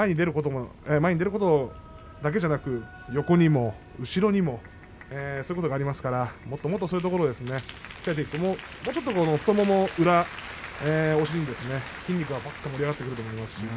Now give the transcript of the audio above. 相撲は前に出ることだけじゃなくて横にも後ろにもそういうことがありますからもっともっとそういうところももう少し太ももの裏筋肉が盛り上がってくると思います。